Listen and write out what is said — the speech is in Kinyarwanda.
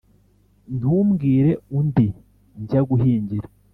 Ntumbwire undi njya guhingira